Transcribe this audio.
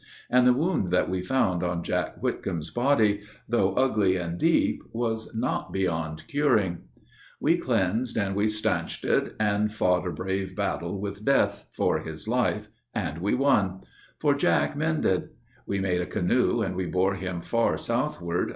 And the wound that we found on Jack Whitcomb's body, Though ugly and deep, was not beyond curing. We cleansed and we stanched it and fought a brave battle With death, for his life, and we won. For Jack mended. We made a canoe and we bore him far southward.